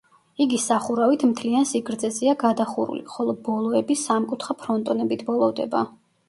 იგი სახურავით მთლიან სიგრძეზეა გადახურული, ხოლო ბოლოები სამკუთხა ფრონტონებით ბოლოვდება.